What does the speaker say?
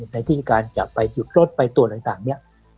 ในที่การจะไปหยุดรถไปตรวจต่างเนี่ย